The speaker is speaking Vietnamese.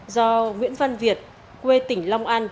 do nguyễn văn việt quê tỉnh long an